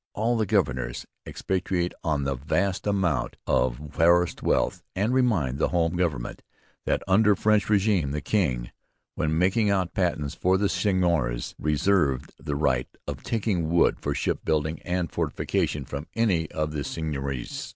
All the governors expatiate on the vast amount of forest wealth and remind the home government that under the French regime the king, when making out patents for the seigneurs, reserved the right of taking wood for ship building and fortifications from any of the seigneuries.